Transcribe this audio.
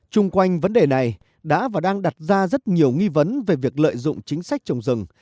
trung quanh vấn đề này đã và đang đặt ra rất nhiều nghi vấn về việc lợi dụng chính sách trồng rừng